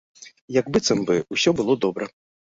Як быццам бы ўсё было добра.